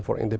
họ đã rời đi